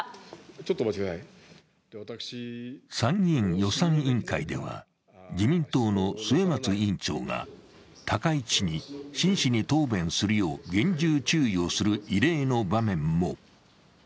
参議院予算委員会では、自民党の末松委員長が高市氏にしんしに答弁するよう厳重注意をする異例の場面も。